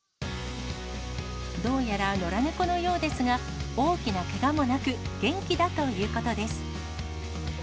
どうやら野良猫のようですが、大きなけがもなく、元気だということです。